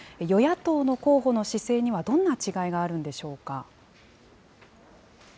与野党の候補の姿勢にはどんな違いがあるんでしょうか。